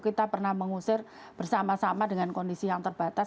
kita pernah mengusir bersama sama dengan kondisi yang terbatas